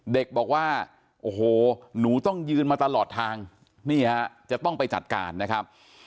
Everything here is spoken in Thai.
เด็กบอกว่าโอ้โหหนูต้องยืนมาตลอดทางนี่ฮะจะต้องไปจัดการนะครับ